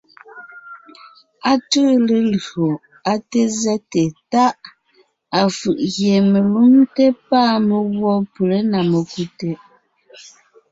Á tʉʉ lelÿò, á té zɛ́te Táʼ, afʉ̀ʼ gie melúmte pâ meguɔ pʉlé (na mekú) tɛʼ.